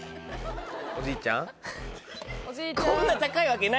おじいちゃん？なぁ